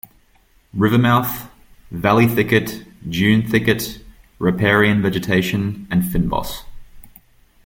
River mouth: Valley thicket, dune thicket, riparian vegetation and fynbos.